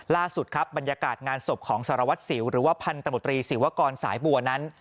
ล่าสุดครับบรรยากาศงานศพของสารวัตรสิวหรือว่าพันธมตรีศิวกรสายบัวนั้น